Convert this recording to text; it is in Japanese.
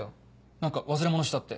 何か忘れ物したって。